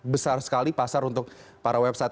besar sekali pasar untuk para website